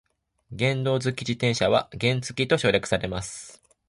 原動機付き自転車は原付と省略されます。